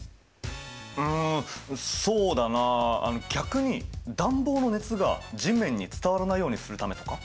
うんそうだな逆に暖房の熱が地面に伝わらないようにするためとか？